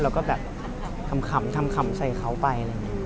เราก็แบบทำคำใส่เขาไป